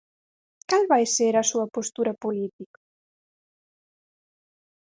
¿Cal vai ser a súa postura política?